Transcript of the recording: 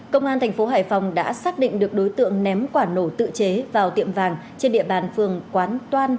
công an thành phố hải phòng đã xác định được đối tượng ném quả nổ tự chế vào tiệm vàng trên địa bàn phường quán toan